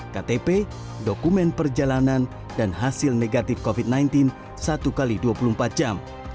ktp dokumen perjalanan dan hasil negatif covid sembilan belas satu x dua puluh empat jam